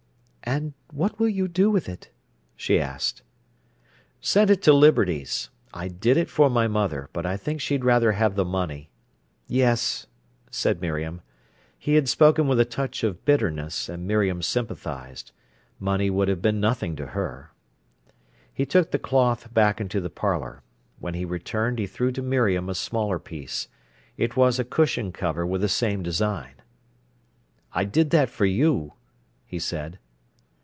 "And what will you do with it?" she asked. "Send it to Liberty's. I did it for my mother, but I think she'd rather have the money." "Yes," said Miriam. He had spoken with a touch of bitterness, and Miriam sympathised. Money would have been nothing to her. He took the cloth back into the parlour. When he returned he threw to Miriam a smaller piece. It was a cushion cover with the same design. "I did that for you," he said.